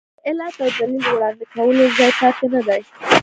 د علت او دلیل وړاندې کولو ځای پاتې نه دی.